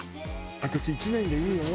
「私１年でいいよ」